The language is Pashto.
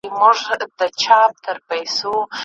بلبلو باندي اوري آفتونه لکه غشي